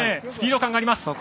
スピード感があります。